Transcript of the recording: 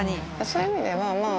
そういう意味ではまぁ。